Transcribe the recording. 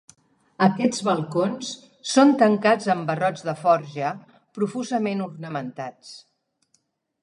Aquests balcons són tancats amb barrots de forja profusament ornamentats.